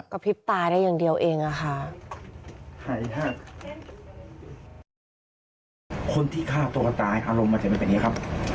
กระพริบตายได้อย่างเดียวเองค่ะ